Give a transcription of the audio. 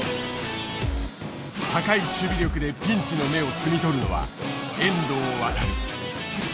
高い守備力でピンチの芽を摘み取るのは遠藤航。